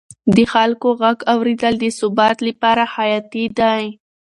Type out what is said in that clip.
د خلکو غږ اورېدل د ثبات لپاره حیاتي دی